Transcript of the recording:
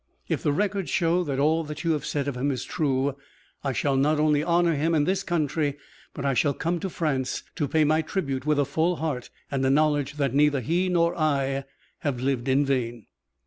If the records show that all you said of him is true, I shall not only honour him in this country, but I shall come to France to pay my tribute with a full heart and a knowledge that neither he nor I lived in vain.